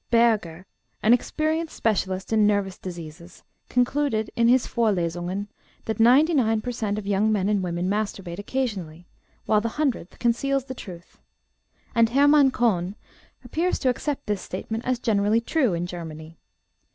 Berger, an experienced specialist in nervous diseases, concluded, in his Vorlesungen, that 99 per cent. of young men and women masturbate occasionally, while the hundredth conceals the truth; and Hermann Cohn appears to accept this statement as generally true in Germany.